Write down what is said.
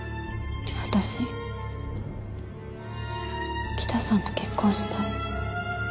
私北さんと結婚したい。